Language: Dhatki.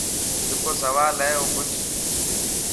جڪو سوال هي او پڇ.